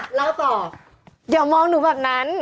ขอโทษค่ะล้อต่อเดี๋ยวมองหนูแบบนั้น